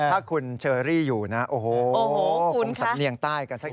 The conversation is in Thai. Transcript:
ถ้าคุณเชอรี่อยู่นะโอ้โหคงสำเนียงใต้กันสัก